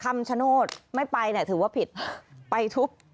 คำฉโนซ์ไม่ไปถือว่าผิดไปทุบ